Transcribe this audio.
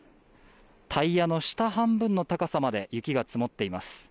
タイヤの下半分の高さまで雪が積もっています。